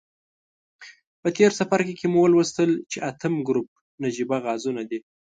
په تیر څپرکي کې مو ولوستل چې اتم ګروپ نجیبه غازونه دي.